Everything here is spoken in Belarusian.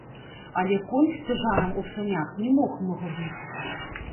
Але конь з цяжарам у санях не мог многа бегчы.